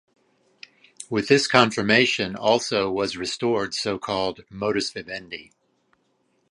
With this confirmation also was restored so called "modus vivendi".